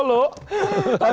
menterinya cuman sidak melolo